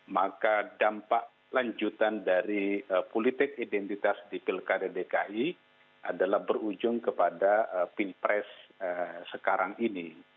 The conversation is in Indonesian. maka dampak lanjutan dari politik identitas di pilkada dki adalah berujung kepada pilpres sekarang ini